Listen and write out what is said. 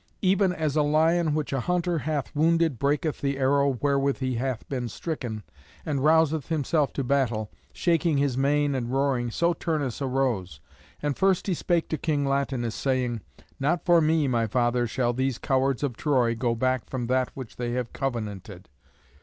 Even as a lion which a hunter hath wounded breaketh the arrow wherewith he hath been stricken, and rouseth himself to battle, shaking his mane and roaring, so Turnus arose. And first he spake to King Latinus, saying, "Not for me, my father, shall these cowards of Troy go back from that which they have covenanted.